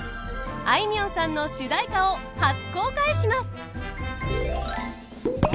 あいみょんさんの主題歌を初公開します。